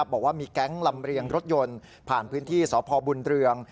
บอกว่ามีแก๊งลำเรียงรถยนต์ผ่านพื้นที่สพบุญเรือง